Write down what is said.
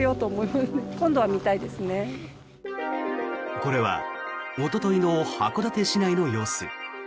これはおとといの函館市内の様子。